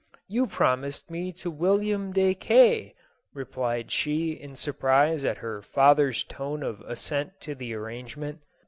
" You promised me to William de K ...," replied she in surprise at her father's tone of assent to the ar rangement.